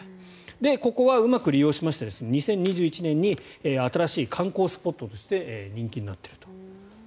ここはうまく利用しまして２０２１年に新たな観光スポットとして人気になっていると。